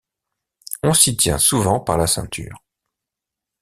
On s’y tient souvent par la ceinture.